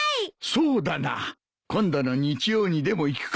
そうだな今度の日曜にでも行くか。